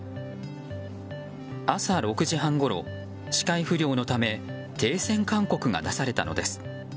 朝６時半ごろ、視界不良のため停船勧告が出されたのです。